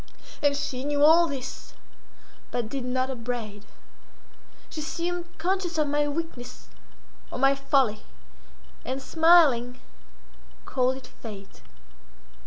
And she knew all this, but did not upbraid; she seemed conscious of my weakness or my folly, and, smiling, called it Fate.